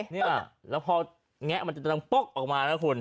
นี่อะแล้วพอแยะออกมาจะจากนั้นป๊อกออกมานะคุณ